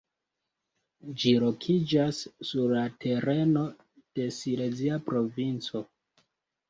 Ĝi lokiĝas sur la tereno de Silezia Provinco.